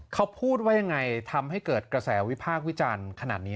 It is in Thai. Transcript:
เขาพูดว่ายังไงทำให้เกิดกระแสวิพากษ์วิจารณ์ขนาดนี้